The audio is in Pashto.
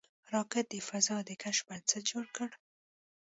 راکټ د فضا د کشف بنسټ جوړ کړ